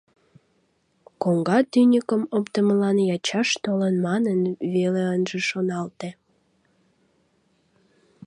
Коҥга тӱньыкым оптымылан ячаш толын манын веле ынже шоналте.